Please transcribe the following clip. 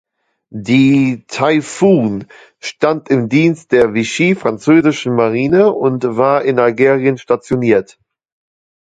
Die "Typhon" stand im Dienst der Vichy-französischen Marine und war in Algerien stationiert.